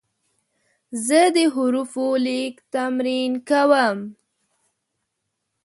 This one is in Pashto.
زه د حروفو لیک تمرین کوم.